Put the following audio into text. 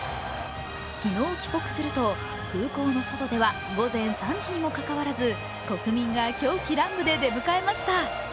昨日、帰国すると空港の外では午前３時にもかかわらず国民が狂喜乱舞で出迎えました。